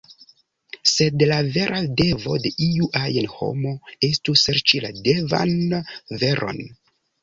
Sed la vera devo de iu ajn homo estu serĉi la devan veron.